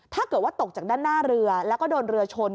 ถ้าเกิดว่าตกจากด้านหน้าเรือแล้วก็โดนเรือชน